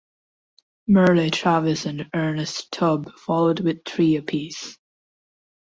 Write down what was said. Merle Travis and Ernest Tubb followed with three apiece.